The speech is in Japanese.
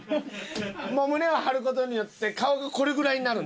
もう胸を張る事によって顔がこれぐらいになるんです。